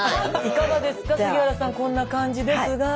いかがですか杉原さんこんな感じですが。